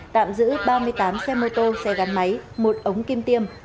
tạm giữ ba mươi tám xe mô tô xe gắn máy một ống kim tiêm